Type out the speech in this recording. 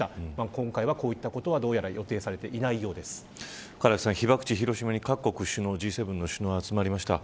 今回はこういったことはどうやら予定は被爆地、広島に各国首脳、Ｇ７の首脳が集まりました。